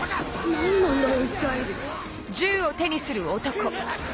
何なんだよ一体ハッ！